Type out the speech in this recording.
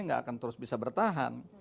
nggak akan terus bisa bertahan